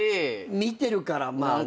見てるからまあね。